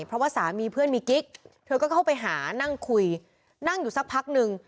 เพราะว่าสามีเพื่อนมีกิ๊กเธอก็เข้าไปหานั่งคุยนั่งอยู่สักพักนึง